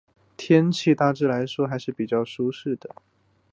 天气大致来说还是比较舒适的。